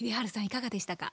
いかがでしたか？